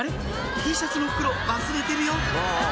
Ｔシャツの袋忘れてるよ